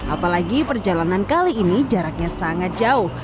apalagi perjalanan kali ini jaraknya sangat jauh